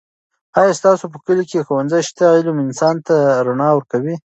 آیا ستاسو په کلي کې ښوونځی شته؟ علم انسان ته رڼا ورکوي.